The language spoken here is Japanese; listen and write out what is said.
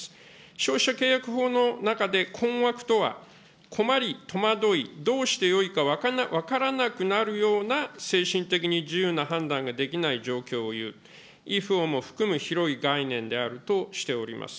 消費者契約法の中で、困惑とは困り、戸惑い、どうしてよいか分からなくなるような精神的に自由な判断ができない状況をいう、いふをも含む広い概念であるとしております。